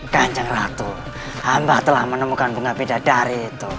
kaceng ratu hamba telah menemukan bunga pindah daya itu